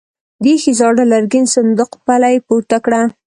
د ايښې زاړه لرګين صندوق پله يې پورته کړه.